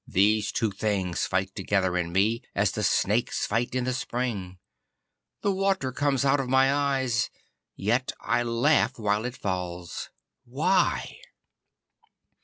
These two things fight together in me as the snakes fight in the spring. The water comes out of my eyes; yet I laugh while it falls. Why?